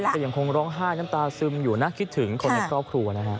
แต่ยังคงร้องห้าน้ำตาซึมอยู่น่าคิดถึงคนในครอบครัว